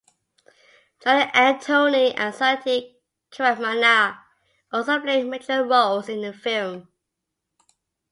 Johny Antony and Sudheer Karamana also play major roles in the film.